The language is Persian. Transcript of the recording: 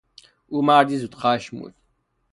او مردی زود خشم بود.